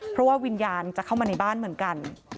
เพราะว่าวิญญาณจะเข้ามาในบ้านเหมือนกัน